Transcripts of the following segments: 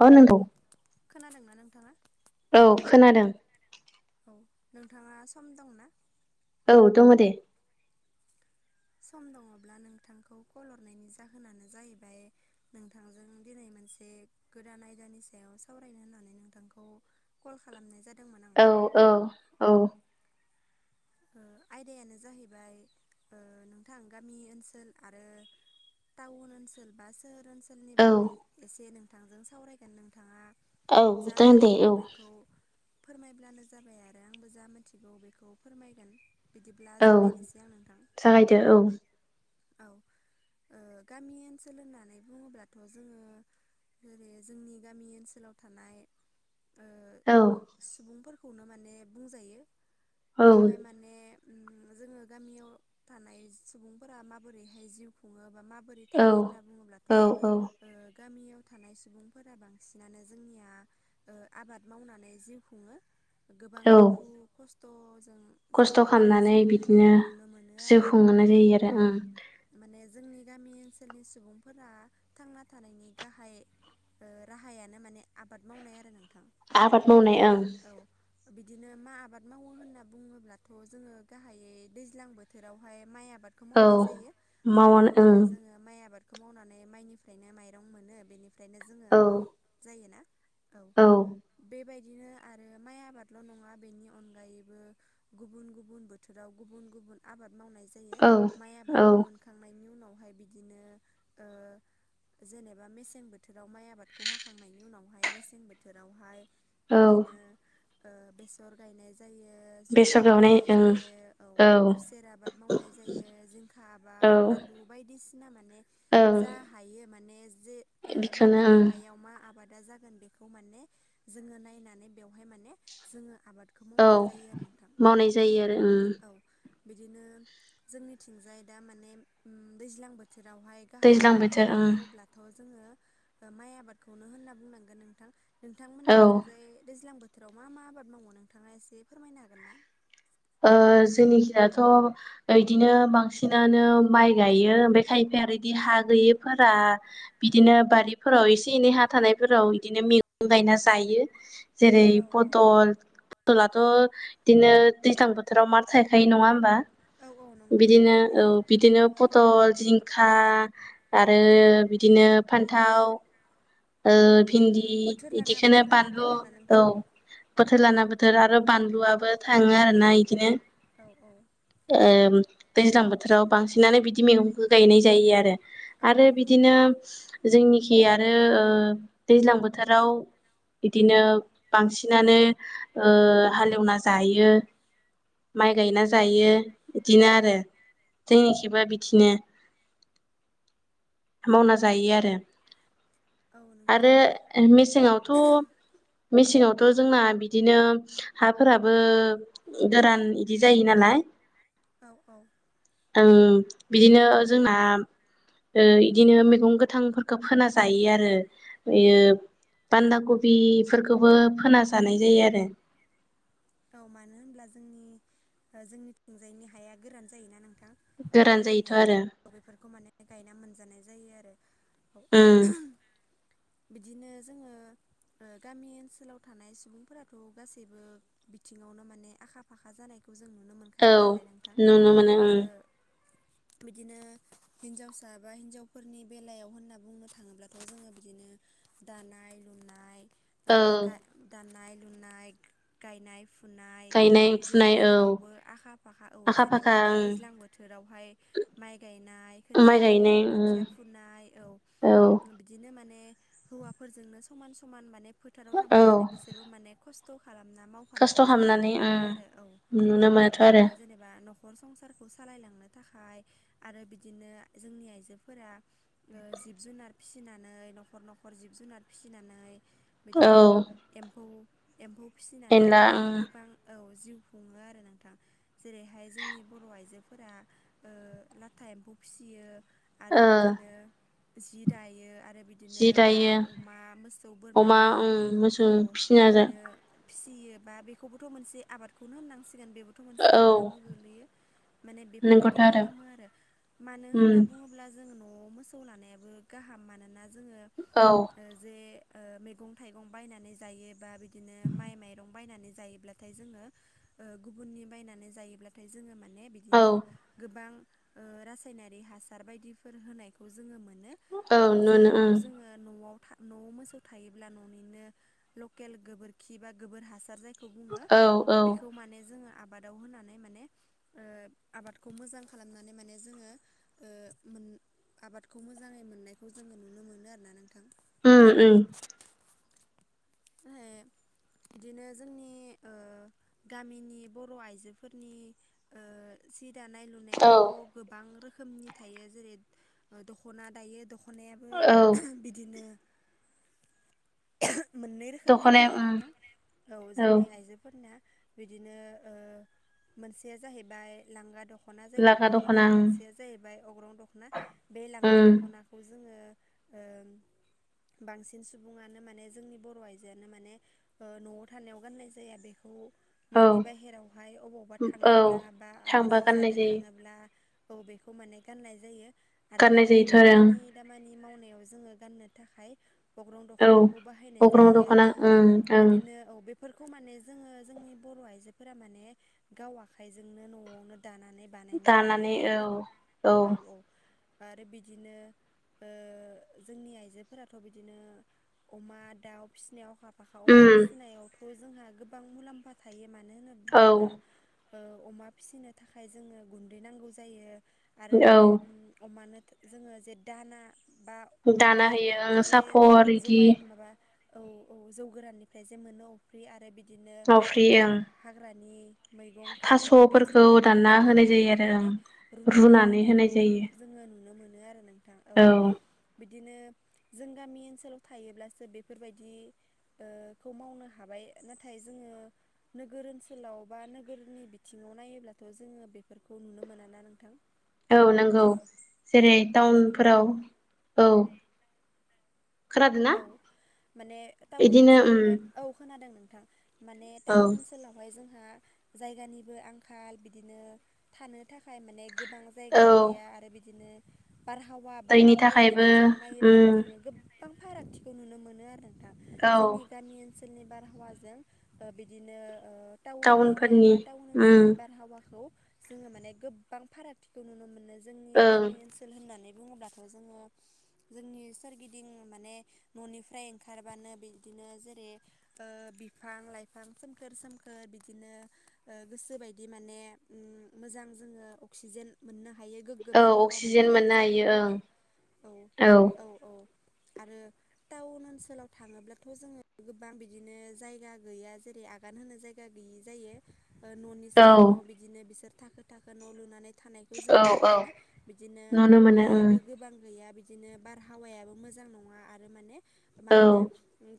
मा नांगौ? खोनादोंना नोंथाङा? औ खोनादों। औ नोंथाङा सम दंना। औ दङदे। सम दङब्ला नोंथांखौ कल हरनायनि जाहोनानो जाहैबाय नोंथांजों दिनै मोनसे गोदान आयदानि सायाव सावरायनो होननानै नोंथांखौ कल खालामनाय जादों। औ औ औ। आयदायानो जाहैबाय ओ नोंथां गामि ओनसोल आरो टाउन ओनसोल बा सोहोर ओनसोलनि औ बागै एसे नोंथांजों सावरायगोन नोंथाङा औ जा जागोन दे मोनथिगौ औ। बेखौ फोरमायब्लानो जाबाय आरो आंबो जा मिथिगौ बेखौ फोरमायगोन। बिदिब्ला औ जागायनोसै आं नोंथां। जागायदो औ [inaudible] ओ गामि ओनसोल होननानै बुङोब्लाथ' जोङो जेरै जोंनि गामि ओनसोलाव थानाय औ खौनो माने बुंजायो औ बेवहाय माने जोङो गामियाव थानाय सुबुंफोरा माबोरैहाय जिउ खुङो बा माबोरै थायो होननानै औ बुङोब्लाथ' औ ओ गामियाव थानाय सुबुंफोरा बांसिनानो जोंनिया ओ आबाद मावनानै जिउ खुङो। गोबां औ दुखु खस्थ' खस्थ' खामनानै बिदिनो नुनो मोनो जिउ आरो औ खुंहोननाय जायो औ आरो ओं। माने जोंनि गामि ओनसोलनि सुबुंफोरा थांना थानायनि गाहाय ओ राहायानो माने आबाद मावनाय आरो ना आबाद मावनाय ओं। बिदिनो मा आबाद मावो होनना बुङोब्लाथ' जोङो गाहायै दैज्लां बोथोरावहाय माइ आबाद आबादखौ औ मावनाय जायो मानो मावानो होनोब्ला जोङो माइ आबादखौ मावनानै माइनिफ्रायनो माइरं मोनो बेनिफ्राय ओमफ्रायनो जोङो ओं ओंखाम जायोना औ बेबायदि [inaudible] माइ आबादल' नङा बेनि अनगायैबो गुबुन गुबुन बोथोराव गुबुन गुबुन आबाद मावनाय जायो माइ औ आबादखौ मोनखांनायनि उनावहाय बिदिनो ओ जेनेबा मेसें बोथोराव माइ आबादखौ हाखांनायनि उनावहाय मेसें बोथोरावहाय औ बिदिनो ओ बेसर गायनाय जा जायो बेसर जुखाम गावनाय गायनाय ओं जायो औ खुसेर आबाद मावनाय जायो औ आबाद आलु बायदिसिना माने ओं जा हायो माने जे ओ बेखौनो माबायदि ओं हायाव मा आबाद जागोन बेखौ माने जोङो नायनानै बेयावहाय माने जोंओ आबाद औ मावनाय जायो आरो उम औ बिदिनो जोंनिथिंजाय दा माने दैज्लां बोथोर बोथोरावहाय गाहाय दैज्लां आबाद बोथोर होनना ओं बुङोब्लाथ' जो जोङो ओ माइ आबादखौनो होनना बुंनांगोन नोंथां औ नोंथांमोननिथिंजाय दैज्लां बोथोर बोथोराव मा मा आबाद मावो नोंथाङा एसे फोरमायनो हागोन ना ओ जोंनिखिदाथ' ओ इदिनो बांसिनानो माइ गायो ओमफ्राय खायफाया आरो इदि हा गैयैफोरा बिदिनो बारिफोराव एसे एनै हा थानायफोराव बिदिनो मेगं गं गायना जायो जेरै औ पटल औ पटलाथ' आइदिनो दैज्लां बोथोराव मार थाइखायो नङा होमबा औ औ नंगौ बिदिनो नोंथां औ थायो बिदिनो पटल जिंखा आरो बि बिदिनो फान्थाव ओ औ औ भिन्दि बोथोर लाना बिदिखोनो बोथोर आबाद बानलु मावोना औ नोंथां? बोथोर लाना बोथोर आरो बानलुआबो थाङो आरोना इदिनो औ औ ओम दैज्लां बोथोराव बांसिनानो बिदि मैगंखौ गायनाय जायो आरो औ औ आरो नंगौ बिदिनो नोंथां जोंनिखि आरो ओ दैज्लां बोथोराव बिदिनो बांसिनानो ओ हालेवना जायो माइ औ गायना जायो बिदिनो आरो जोंनिखिबो बिदिनो मावना जायो औ आरो औ नोंथां आरो ओ दा मेसेङावथ' मेसेङाव दाथ' जोंना बिदिनो हाफोराबो गोरान इदि जायो नालाय औ औ ओं बिदिनो जोंना ओ इदिनो मैगं गोथांफोरखौ फोना जायो आरो बेयो बान्दा कबि बेफोरखौबो फोना जानाय जायो आरो औ मानो होनब्ला जोंनि जोंनिथिंजायनि हाया गोरान जायोना नों थां गोरान बेवहाय जायोथ' माने आरो बेफोरखौ माने गायना मोनजानाय जायो आरो औ उम बिदिनो जोङो ओ गामि ओनसोलाव थानाय सुबुंफोराथ' गासैबो बिथिङावनो माने आखा फाखा जानायखौ खौ जों नुनो औ मोनखायो नालाय नोंथां नुनो मोनो ओ उम बिदिनो हिन्जावसा बा हिनजावफोरनि बेलायाव होनना बुंनो थाङोब्लाथ' जोंङो बिदिनो दानाय लुनाय ओ औ दानाय लुनाय गायनाय फुनाय [inaudible] बिदिनो फुनाय औ जेरावबो आखा फाखा औ आखा फाखा जेनेबा दा दैज्लां बोथोरावहाय माइ गाय गायनाय ओं माइ गायनाय उम खोथिया फुनाय औ बिदिनो माने हौवाफोरजोंनो समान समान माने फोथाराव औ थांफानानै बिसोरबो माने खस्थ' खालामनो ना खस्थ' मावखानायखौ जों नुनो खालामनानै मोनो उम आरो औ नुनो मोनोथ' आरो बिदिनो जेनेबा न'ख न'खर संसारखौ सालायलांनो थाखाय आरो बिदिनो जोंनि आइजोफोरा ओ जिब जुनार फिनानै न'खर न'खर जिब जुनार फिनानै औ बिदिनो एम्फौ एम्फौ फिसिनानै एनला माने उम गोबां औ जिउ खुंङो आरो नोंथां। जेरै हाय जोंनि बर' आइजोफोरा ओ लाथा एम्फौ फिसियो आरो ओ बिदिनो जि दायो। आरो आरो बिदिनो जि दायो दाउ, अमा, मोसौ, अमा बोरमानि ओं मोसौ औ फिसिना जा बिदिनो फिसियो बा बेखौबोथ' मोनसे आबादखौनो होननांसि गोन बेबोथ' औ आबावनो गोलैयो। माने बेफोरबायदि खालामो आरो मानो उम होननानै बुंङोब्ला जोंङो न'आव मोसौ लानायाबो गाहाम मानोना जोंङो औ ओ जे ओ मैगं थाइगं बायनानै जायोबा बिदिनो माइ माइरं बायनानै जायोबलाथाइ जोङो गुबुननि बायना जायोब्लाथाय जों जोंङो मा ने औ बिदिनो गोबां ओ रासायनारि हासार बायदिफोर होनायखौ जोंङो मोन नो ओ औ बिदिनो नुनो जिहेथु उम जोंङो न'आव था न'आव मोसौ थायोब्ला न'निनो लकेल गोबोरखि बा गोबोर हासार जाय खौ बुंङो औ औ बेखौ माने जोंङो आब आबादाव होनानै माने ओ आबादखौ मोजां खालामनानै माने जोंङो ओ मोन आबादखौ मोजांङै मोननायखौ जोंङो नुनो मोनो आरोना नोंथां। उम उम [inaudible] बिदिनो जोंनि ओ गामिनि बर' आइजोफोरनि ओ सि दानाय औ लुनायाथ' गोबां रोखोमनि थायो। जेरै ओ दख'ना दायो दख खनायाबो औ बिदिनो मोननै रोखोमनि दख'नाया थायो उम नोंथां। औ जोंनि आइजोफोरना। बिदिनो ओ मोनसेया जाहैबाय लांगा दख ख'ना जायखौ लागा बुंङो। दख'ना आरो उम मोनसेया जाहैबाय अग्रं दख'ना बे लांगा उम दख'नाखौ जोंङो। ओ बांसिन सुबुंङानो माने जोंनि बर' आइजोआनो माने ओ न'आव थानायाव गाननाय जाया। बेखौ औ न'नि बाहेरावहाय अबावबा औ थांङोब्ला बा थांबा आलासि गाननाय जानो जायो थांङोब्ला औ बेखौ माने गाननाय जायो। आरो गाननाय न'आव जायोथ' आरो खामानि दामानि मावनाय याव जोंङो गानो थाखाय अग्रं ओं दख'नाखौ बाहायनाय औ अग्रं जायो आरो दख'ना उम ओं ओं। बिदिनो औ बेफोरखौ माने जोंङो जोंनि बर' आइजोफोरा माने गाव आखाइजोंनो न'आवनो दानानै बानायनो हायो दानानै आरो औ नोंथां। औ औ आरो बिदिनो ओ जोंनि आइजोफोराथ' बिदिनो अमा दाउ फिसिनायाव अखा फाखा अमा उम फिसिनायावथ' जोंहा गोबां मुलाम्फा थायो। मानो होननो औ बुंङोब्ला अमा फिसिनो थाखाय जोंङो गुन्दै नांगौ जायो। आरो औ बे उम अमानो जोंङो जे दाना बा दाना अफ्रि होयो ओं जे सापर इदि जुमाय माबा औ औ जौ गोराननिफ्राय जे मोनो अफ्रि आरो बिदि दिनो माफ्रि ओ ओं हाग्रानि मैगं थाइगं थास' थास'फोरखौ बायदिखौ दानना जोंङो होनाय जायो हानानै आरो ओं माने रुनानै होनाय होनायखौ जायो जोंङो नुनो मोनो आरो नोंथां। औ बि दिनो जों गामि ओनसोलाव थायोब्लासो बे बेफोरबायदि ओ खौ मावनो हाबाय नाथाय जोङो नोगोर ओनसोलाव बा नोगोरनि बिथिङाव नायोब्लाथ' जोङो बेफोरखौ नुनो मोना ना नोंथां। औ नंगौ। जेरै हेल' नोंथां टाउनफोराव औ खोनादों ना औ माने टाउन बिदिनो उम ओनसोलावहाय औ खोनादों नोंथां। माने औ टाउन ओनसोलावहाय जों हा जायगानिबो आंखाल बिदिनो थानो थाखाय माने गोबां जायगा औ गैया आरो बिदिनो बारहावा बा दैनि आबहावानि थाखायबो बिथिङाव नायोब्लाबो उम जोङो गोबां फारागथिखौ नुनो मोनो आरो। [unintelligible] औ जोंनि गामि ओनसोलनि बारहावाजों ओ बिदिनो ओ टाउन एरिया टाउनफोरनि बा टाउन उम ओनसोलनि बारहावाखौ जोङो माने गोबां फारागथिखौ नुनो मोनो जोंनि ओं गामि ओनसोल होननानै बुङोब्लाथ' जोङो जोंनि सोरगिदिं माने न'निफ्राय ओंखारबानो बिदिनो जेरै ओ बिफां लाइफां सोमखोर सोमखोर बिदिनो ओ गोसो बायदि माने मोजां जोङो अक्सिजेन मोननो हा हायो गोग्गो बारहावा मोननो हायो जायखौ बुङो औ ओं औ औ आरो टाउन ओनसोलाव थाङोब्लाथ' जोङो गोबां बिदिनो जायगा गैया जेरै आ आगान होनो जायगा गैयि जायो न'नि औ सायाव न' बिदिनो बिसोर थाखो थाखो न' लुनानै थानायखौ जों औ नुनो औ मोनो बिदिनो नुनो मोनो ओं हायाबो गोबां गैया बिदिनो बारहावायाबो मोजां नङा आरो माने मा औ होनो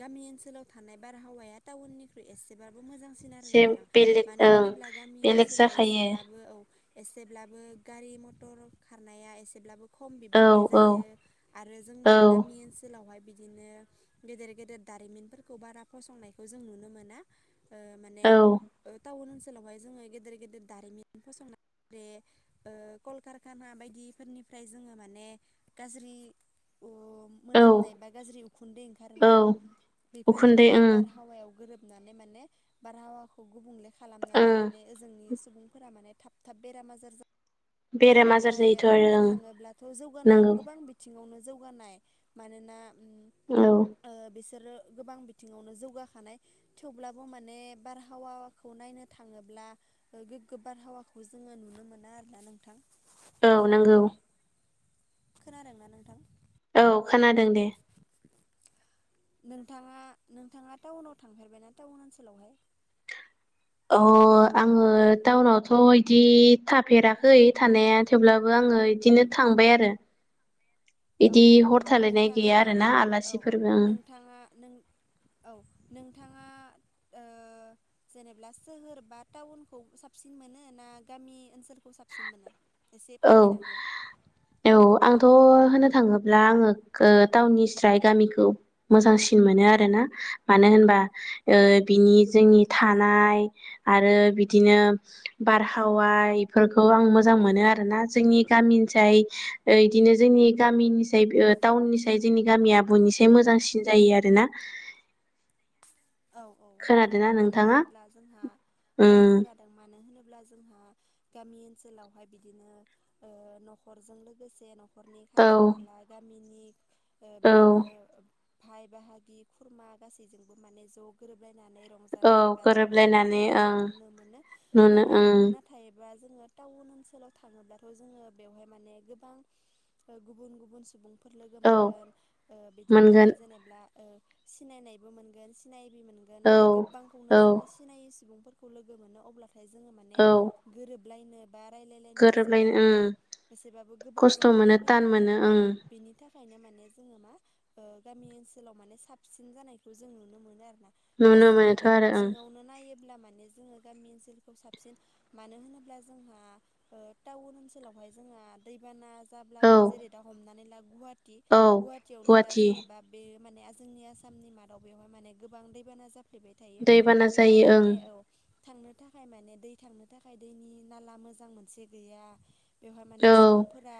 गामि ओनसोलाव थानाय बारहावाया टाउननिख्रुइ एसेबाबो मोजांसिन आरो एसे नोंथां बेलेग मानो ओं होनोब्ला गामि बेलेग ओनसोलाव जाखायो एसेब्लाबो औ एसेब्लाबो गारि मथर खारनाया एसेब्लाबो खम औ बिबांनि औ जायो आरो औ जोंना गामि ओनसोलावहाय बिदिनो गेदेर गेदेर दारिमिनफोरखौ बारा फसंनायखौ जों नुनो मोना। ओ माने औ टाउन ओनसोलावहाय जोङो गेदेर गेदेर दारिमिन फसंनायेर ओ कलकारखाना बायदिफोरनि फ्राय जोङो माने गाज्रि ओ [inaudible] मोनामनाय बा गाज्रि उखुन्दै ओंखारोना औ बेफोरो उखुन्दै माने ओं बारहावायाव गोरोब नानै माने बारहावाखौ गुबुंले खालामनानै ओं माने ओ जोंनि सुबुंफोरा माने थाब थाब बेराम आजार जा बेराम आजार जायो जायोथ' आरो बुंनो ओं थाङोब्लाथ' जौगानायाव नंगौ गोबां बिथिङावनो जौगानाय मानोना औ ओ बिसोरो गोबां बिथिङावनो जौगाखानाय थेवब्लाबो माने बारहावाखौ नायनो थाङोब्ला ला गोबार हावाखौ जोङो नुनो मोना आरोना नोंथां औ नंगौ खोनादों ना नोंथां? औ खोनादों दे। नोंथाङा नोंथाङा टाउनाव थांफेरबायनाा टाउन ओनसोलावहाय अ आङो टाउनावथ' बिदि थाफेराखै थानाय थेवब्लाबो आङो बिदिनो थांबाय आरो औ इदि औ हर थालायनाय गैया नोंथाङा आरोना औ औ आलासिफोरबो ओं नोंथाङा नों औ नों [inaudible] जेनेबा सोहोर बा टाउनखौ साबसिन मोनो ना गामि ओनसोलखौ साबसिन मोनो एसे औ फोरमायना हो औ आंथ' होनो थाङोब्ला आङो टाउननि स्राय गामिखौ मोजांसिन मोनो आरोना मानो औ होनबा ओ बिनि जोंनि थानाय आरो बिदिनो बारहावाय फोरखौ आं मोजां औ मोनो आरो जोंनि गामिनिसाय बिदिनो जोंनि गामिनिसाय टाउननि साय जोंनि गामिया बोयनि एसे मोजांसिन जायो आरोना औ औ खोनादोंना मानो नोंथाङा होनोब्ला जोंहा औ उम खोनादों मानो होनोब्ला ब्ला जोंहा गामि ओनसोलावहाय बिदिनो ओ न'खरजों लोगोसे न'ख न'खरनि औ खाथि खाला गामिनि औ बिदिनो भाय बाहागि खुरमा गासैजोंबो माने ज' गोरोबलाय नानै औ रंजानाय बाजानाय गोरोबलायनानै थानायखौ जों ओं नुनो मोनो नुनो नाथाय ओं नाथायबा जोङो टाउन ओनसोलाव थाङोब्लाथ' जोङो बेवहाय माने गोबां गुबुन गुबुन सुबुं फोर लोगो औ मोनगोन ओ बिदिनो मोनगोन जेनेब्ला ओ सिनायनायबो मोनगोन सिनाय मोनगोन औ नाथाय गोबांखौनो औ जोङो सिनायै सुबुंफोरखौ लोगो मोनो अब्ला फाय जोङो माने औ गोरोबलायनो बा रायलायलायनाय एसेब्ला गोरोबलायनो ओं एसेब्लाबो गोब्राब खस्थ' जानानै मोनो तान फैखायो मोनो औ ओं बेनि थाख खायनो माने जोङो मा ओ गामि ओनसोलाव माने साबसिन जानायखौ जों नुनो मोनो। नुनो मोनोथ' गासैबो आरो ओं बिथिङावनो नायोब्ला माने ने जोङो गामि ओनसोलखौ साबसिन मानो होनोब्ला जोंहा ओ टाउन ओनसोलावहाय जोङो ना दैबाना औ जाब्लाबो जेरै दा हमनानैला दि औ गुवाहाटियावनो दा गुवाहाटि जेनेबा बे माने जोंनि आसामनि मादाव बेवहाय माने गोबां दैबाना जाफ्लेबाय थायो दैबाना बेवहाय जायो ओं माने औ थांनो थाखाय माने दै थांनो थाखाय दैनि नाला मोजां मोनसे गैया बेवहाय माने औ सुबुंफोरा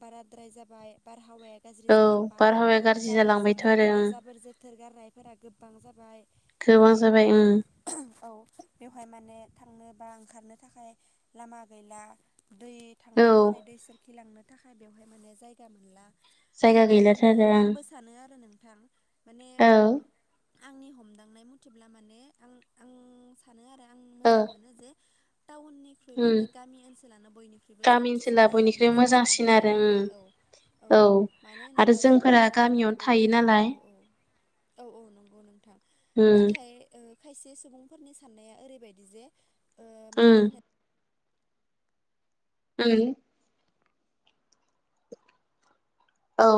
बाराद्राय जाबाय बार हावाया गाज्रि औ जालांबाय बारहावाया गाज्रि जाबोर जालांबायथ' जोथोर आरो औ ओं जाबोर जोथोर गारनायफोरा गोब बां जाबाय गोबां माने जाबाय ओं औ बेवहाय माने थांनो बा ओंखारनो थाखाय लामा गैला दै औ थांनो थाखाय दै सोरखि लांनो थाखाय बेवहाय माने जायगा मोनला जायगा गैलाथ' बेनिखायनो आरो आंबो सानो आरो नोंथां माने ओं आंनि हमदांनाय मथेब्ला माने आं आं सानो आरो आं औ ओ मोजां मोनो जे टाउननिख्रुइ उम माने गामि ओनसोलानो बयनिख्रुइबो गामि साबसिन ओनसोला जायो बयनिख्रुइ आरोना जों मोजांसिन सुबुंफोरनि आरो उम थाखाय औ। औ मानो आरो होनोब्ला जों जोंफोरा गामियाव थानानै गामियावनो थायो बयबो नालाय औ औ औ औ नंगौ। गौ नोंथां उम नाथाय ओ खायसे सुबुंफोरनि साननाया ओरैबायदि जे मा उम। होनो उम। औ।